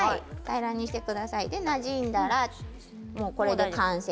なじんだら、これで完成。